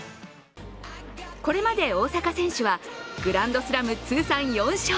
これまで大坂選手はグランドスラム通算４勝。